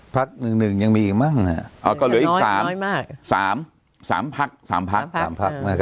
พักหนึ่งยังมีอีกมั้งอ่ะก็เหลืออีก๓สามพัก